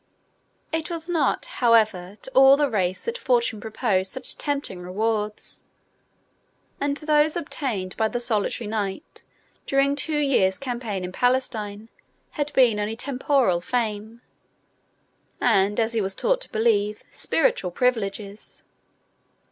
It was not, however, to all the race that fortune proposed such tempting rewards; and those obtained by the solitary knight during two years' campaign in Palestine had been only temporal fame, and, as he was taught to believe, spiritual privileges.